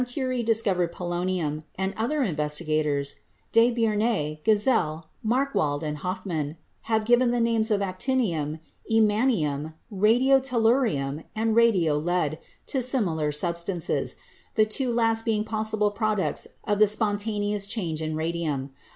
Curie discovered po lonium, and other investigators — Debierne, Giesel, Marck wald and Hofmann — have given the names of actinium, emanium, radio tellurium and radio lead to similar sub stances, the two last being possibly products of the spon taneous change in radium.